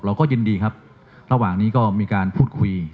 เราก็ยินดีครับระหว่างนี้ก็มีการพูดคุย